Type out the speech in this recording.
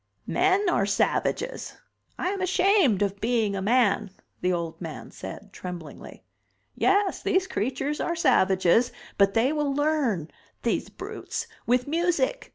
"Men are savages. I am ashamed of being a man," the old man said, tremblingly. "Yes, these creatures are savages, but they will learn these brutes with music.